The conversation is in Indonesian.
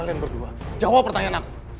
kalian berdua jawab pertanyaan aku